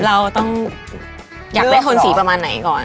เราต้องอยากได้ทนสีประมาณไหนก่อน